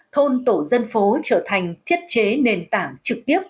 thôn tổ dân phố trở thành thiết chế nền tảng trực tiếp